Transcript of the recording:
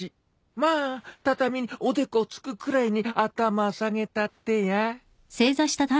まあ畳におでこつくくらいに頭下げたってや。